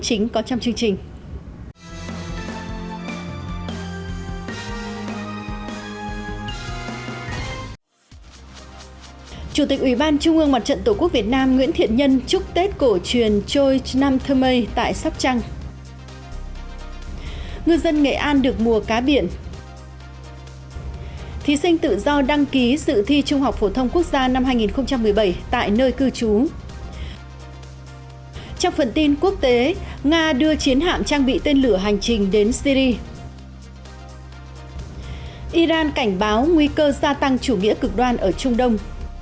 iran cảnh báo nguy cơ gia tăng chủ nghĩa cực đoan ở trung đông